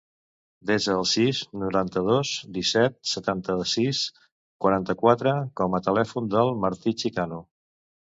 Desa el sis, noranta-dos, disset, setanta-sis, quaranta-quatre com a telèfon del Martí Chicano.